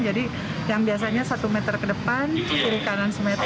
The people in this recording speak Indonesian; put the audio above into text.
jadi yang biasanya satu meter ke depan turun kanan satu meter